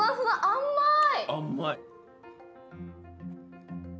甘い。